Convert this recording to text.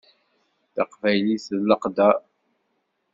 Taqbaylit d leqder.